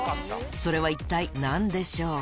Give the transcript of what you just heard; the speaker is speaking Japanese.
それは一体何でしょう？